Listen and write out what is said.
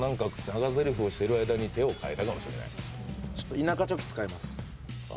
田舎チョキ使います。